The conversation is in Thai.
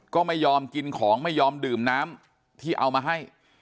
ก็ไม่ยอมกินของไม่ยอมดื่มน้ำที่เอามาให้